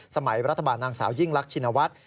สมัยรัฐบาลนางสาวยิ่งรักชินวัฒน์